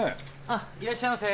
あっいらっしゃいませ。